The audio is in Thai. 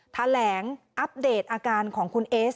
แถลงอัปเดตอาการของคุณเอส